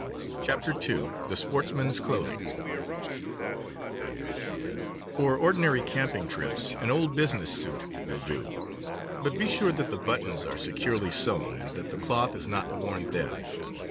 CHAPTER II THE SPORTSMAN'S CLOTHING FOR ordinary camping trips an old business suit will do; but be sure that the buttons are securely sewn and that the cloth is not worn thin.